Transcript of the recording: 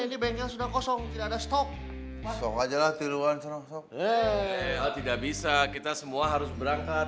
ini bengkel sudah kosong tidak ada stok stok aja lah tiruan tidak bisa kita semua harus berangkat